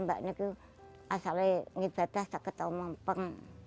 saya mengibadah sejak tahun mampang